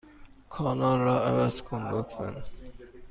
کانال را عوض کن، لطفا.